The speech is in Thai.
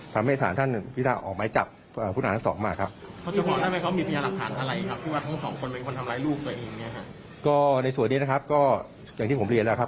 ทำให้ศาสตร์ท่านพินาออกหมายจับพุทธอาหารทั้งสองมาครับ